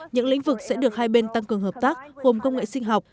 những lĩnh vực sẽ được hai bên tăng cường hợp tác gồm công nghệ sinh học